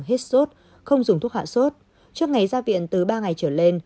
hết sốt không dùng thuốc hạ sốt trước ngày ra viện từ ba ngày trở lên